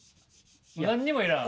何にも要らん。